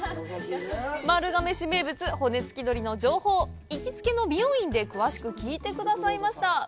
丸亀市名物・骨付鳥の情報、行きつけの美容院で詳しく聞いてくださいました。